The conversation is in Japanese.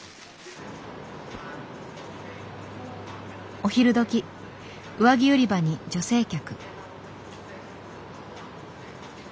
お昼どき上着売り場に女性客。